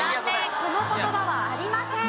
この言葉はありません。